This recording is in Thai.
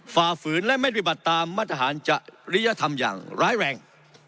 ฝ่าฝืนและไม่ปฏิบัติตามมาตรฐานจริยธรรมอย่างร้ายแรง